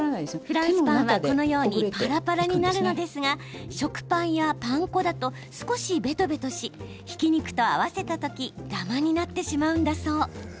フランスパンは、このようにパラパラになるのですが食パンやパン粉だと少し、べとべとしひき肉と合わせた時ダマになってしまうのだそう。